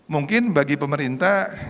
mungkin bagi pemerintah